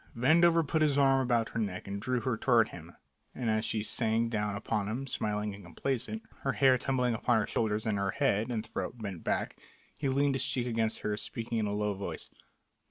Vandover put his arm about her neck and drew her toward him, and as she sank down upon him, smiling and complaisant, her hair tumbling upon her shoulders and her head and throat bent back, he leaned his cheek against hers, speaking in a low voice.